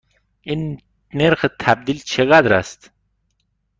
نرخ تبدیل چقدر است؟